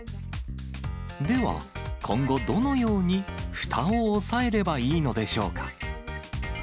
では、今後、どのようにふたを押さえればいいのでしょうか。